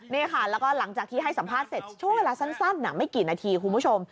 นี่ค่ะแล้วก็หลังจากที่ให้สัมภาษณ์เสร็จช่วงเวลาสั้นไม่กี่นาทีคุณผู้ชม